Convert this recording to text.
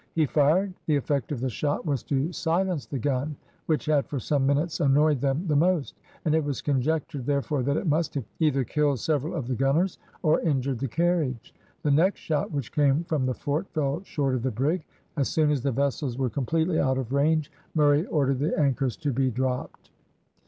He fired the effect of the shot was to silence the gun which had for some minutes annoyed them the most, and it was conjectured, therefore, that it must have either killed several of the gunners, or injured the carriage. The next shot which came from the fort, fell short of the brig. As soon as the vessels were completely out of range, Murray ordered the anchors to be dropped.